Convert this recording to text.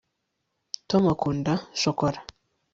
tom akunda shokora